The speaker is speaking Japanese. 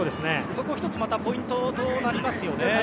そこが１つのポイントとなりますね。